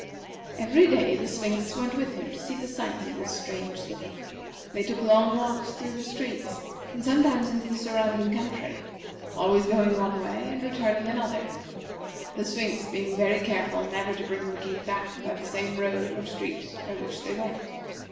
Every day the Sphinx went with him to see the sights of this strange city. They took long walks through the streets, and sometimes into the surrounding country always going one way and returning another, the Sphinx being very careful never to bring the King back by the same road or street by which they went.